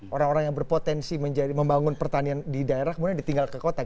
orang orang yang berpotensi membangun pertanian di daerah kemudian ditinggal ke kota